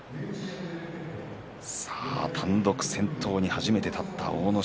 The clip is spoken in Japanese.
単独先頭に初めて立った阿武咲